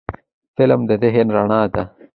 فلم د ذهن رڼا ده